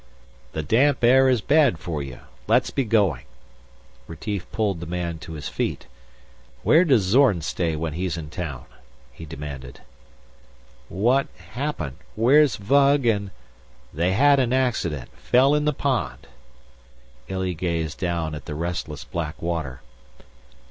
"The damp air is bad for you. Let's be going." Retief pulled the man to his feet. "Where does Zorn stay when he's in town?" he demanded. "What happened? Where's Vug and...." "They had an accident. Fell in the pond." Illy gazed down at the restless black water.